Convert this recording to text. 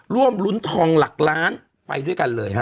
ร่วมรุ้นทองหลักล้านไปด้วยกันเลยฮะ